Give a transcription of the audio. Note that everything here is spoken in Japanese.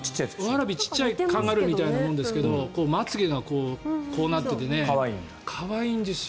ワラビーはちっちゃいカンガルーみたいなものですがまつ毛がこうなっていて可愛いんですよ。